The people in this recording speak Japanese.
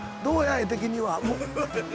絵的には。